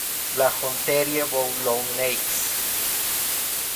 La Gonterie-Boulouneix